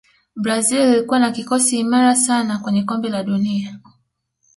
brazil ilikuwa na kikosi imara sana kwenye kombe la dunia